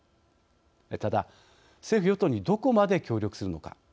ただ、政府・与党にどこまで協力するのか。